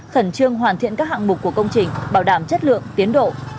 khẩn trương hoàn thiện các hạng mục của công trình bảo đảm chất lượng tiến độ